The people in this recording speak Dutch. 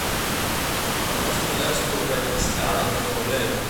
Dat was nu juist ook bij de bestraling het probleem.